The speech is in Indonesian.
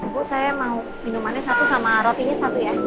bu saya mau minumannya satu sama rotinya satu ya